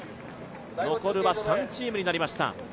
残るは３チームになりました。